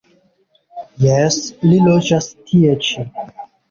Jes, li loĝas tie ĉi.